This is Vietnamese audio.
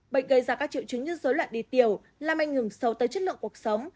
bệnh gây ra các triệu chứng như dối loạn đi tiểu làm ảnh hưởng sâu tới chất lượng cuộc sống